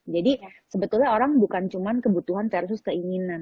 jadi sebetulnya orang bukan cuma kebutuhan versus keinginan